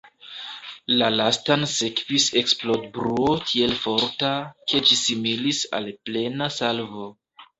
La lastan sekvis eksplodbruo tiel forta, ke ĝi similis al plena salvo.